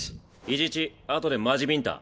伊地知あとでマジビンタ。